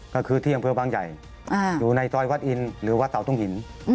ก็คือที่อำเภอบางใหญ่อยู่ในซอยวัดอินหรือวัดเตาทุ่งหิน